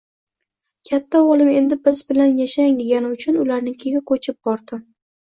Katta o`g`lim endi biz bilan yashang degani uchun ularnikiga ko`chib bordim